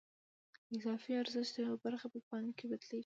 د اضافي ارزښت یوه برخه په پانګه بدلېږي